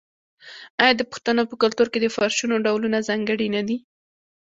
آیا د پښتنو په کلتور کې د فرشونو ډولونه ځانګړي نه دي؟